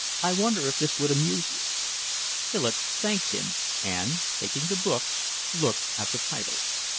I wonder if this would amuse you." Philip thanked him and, taking the book, looked at the title.